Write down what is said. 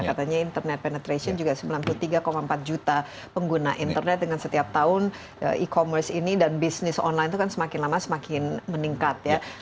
katanya internet penetration juga sembilan puluh tiga empat juta pengguna internet dengan setiap tahun e commerce ini dan bisnis online itu kan semakin lama semakin meningkat ya